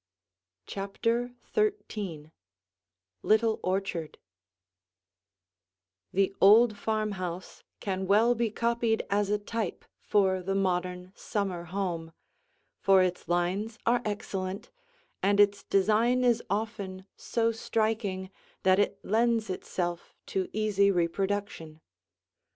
CHAPTER XIII LITTLE ORCHARD The old farmhouse can well be copied as a type for the modern summer home, for its lines are excellent, and its design is often so striking that it lends itself to easy reproduction.